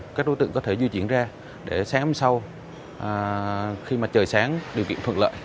nên các đối tượng đã bỏ xe lại cùng chiếc túi da màu đen